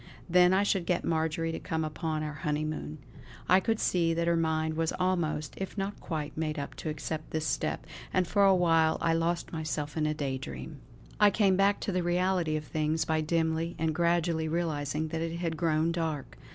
Then I should get Marjory to come upon our honeymoon. I could see that her mind was almost, if not quite, made up to accept this step; and for a while I lost myself in a day dream. I came back to the reality of things by dimly and gradually realising that it had grown dark.